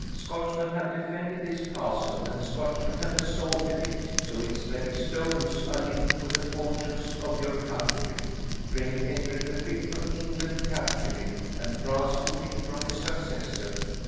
Scotchmen have defended this castle, and Scotchmen have assaulted it, so its very stones are linked with the fortunes of your country. Brave Henry the Fifth of England captured it, and France took it from his successor.